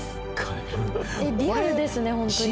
えっリアルですね